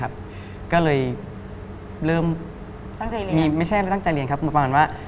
ตั้งใจเรียนไม่ใช่ตั้งใจเรียนครับเป็นประมาณว่า